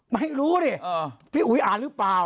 ไม่รู้ดิพี่อุ๋ยอ่านหรือเปล่า